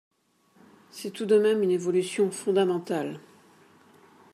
C’est tout de même une évolution fondamentale.